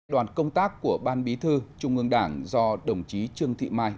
đoàn công tác của ban bí thư trung ương đảng do đồng chí trương thị mai